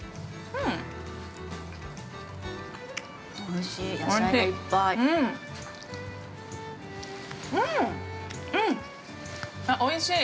うん、おいしい。